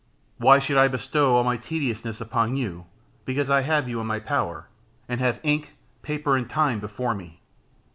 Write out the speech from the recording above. Why should I bestow all my tediousness upon you, because I have you in my power, and have ink, paper, and time before me?